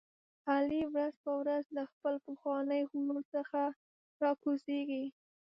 علي ورځ په ورځ له خپل پخواني غرور څخه را کوزېږي.